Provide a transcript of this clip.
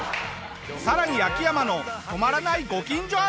さらに秋山の止まらないご近所あるあるも。